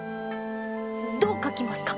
どう書きますか？